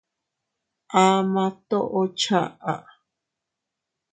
Ama toʼo chaʼa.